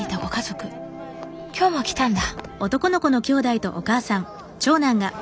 今日も来たんだ。